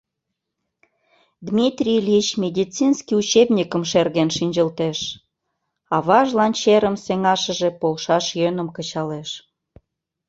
Дмитрий Ильич медицинский учебникым шерген шинчылтеш — аважлан черым сеҥашыже полшаш йӧным кычалеш.